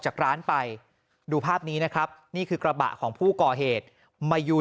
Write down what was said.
จากร้านไปดูภาพนี้นะครับนี่คือกระบะของผู้ก่อเหตุมายูน